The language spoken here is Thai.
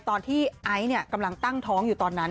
ตอนที่ไอซ์กำลังตั้งท้องอยู่ตอนนั้น